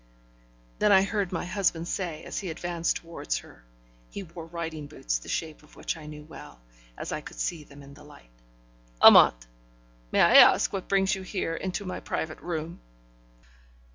Then I heard my husband say, as he advanced towards her (he wore riding boots, the shape of which I knew well, as I could see them in the light): 'Amante, may I ask what brings you here into my private room?'